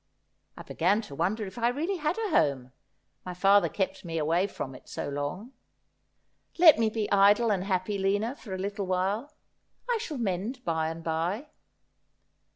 I began to wonder if I really had a home, my father kept me away from it so long. Let me be idle and happy, Lina, for a little while ; I shall mend by and by.'